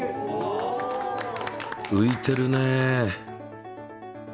ういてるね。